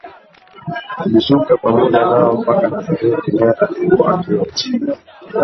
Alishuka pamoja nao mpaka Nazareti naye alikuwa akiwatii